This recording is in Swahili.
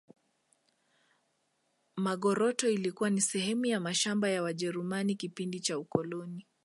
magoroto ilikuwa ni sehemu ya mashamba ya wajerumani kipindi cha ukoloni